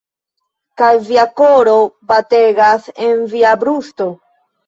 Kaj via koro bategas en via brusto